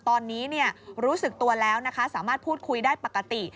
ตอนนี้รู้สึกตัวแล้วนะคะสามารถพูดคุยได้ปกติ